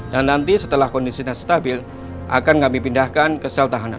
dan nanti setelah kondisinya stabil akan kami pindahkan ke sel tahanan